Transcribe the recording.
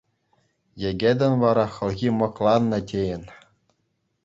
Йӗкӗтӗн вара хӑлхи мӑкланнӑ тейӗн.